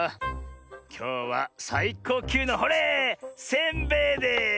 きょうはさいこうきゅうのほれせんべいです！